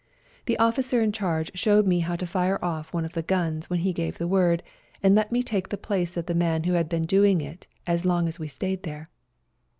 The officer in charge showed me how to fire off one of the guns when he gave the word, and let me take the place of the man who had been doing it as long as we stayed there.